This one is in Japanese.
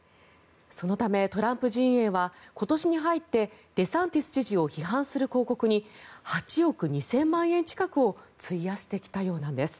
そのため、トランプ陣営は今年に入ってデサンティス知事を批判する広告に８億２０００万円近くを費やしてきたそうなんです。